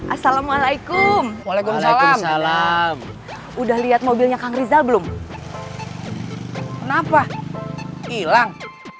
assalamualaikum waalaikumsalam udah lihat mobilnya kang rizal belum kenapa hilang